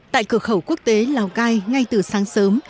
tại cửa khẩu quốc tế lào cai ngay từ sáng sớm